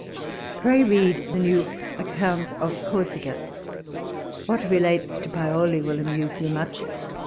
Pray read the new Account of Corsica. What relates to Paoli will amuse you much.